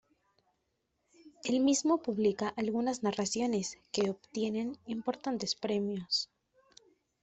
Él mismo publica algunas narraciones, que obtienen importantes premios.